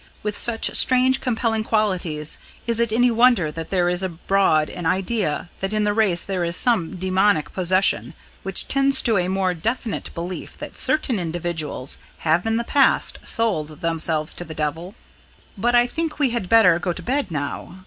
With such strange compelling qualities, is it any wonder that there is abroad an idea that in the race there is some demoniac possession, which tends to a more definite belief that certain individuals have in the past sold themselves to the Devil? "But I think we had better go to bed now.